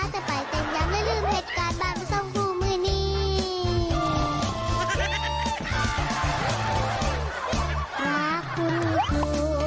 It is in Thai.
สวัสดีค่ะ